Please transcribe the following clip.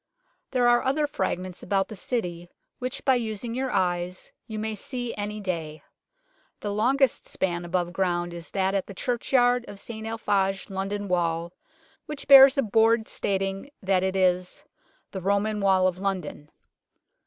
There are other fragments about the City which by using your eyes you may see any day. The longest span above ground is that at the churchyard of St Alphage London Wall, which bears a board stating that it is " The Roman Wall of London."